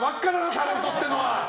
タレントっていうのは。